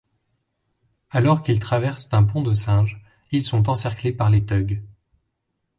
Alors qu'ils traversent un pont de singe, ils sont encerclés par les Thugs.